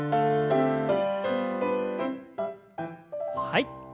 はい。